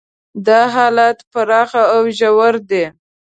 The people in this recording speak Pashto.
دا حالات پراخ او ژور دي.